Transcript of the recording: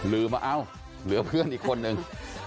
ลืมว่าเอ้าเหลือเพื่อนอีกคนนึง